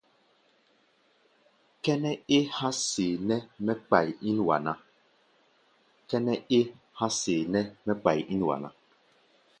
Kʼɛ́nɛ́ é há̧ seeʼnɛ́ mɛ́ kpai ín wa ná.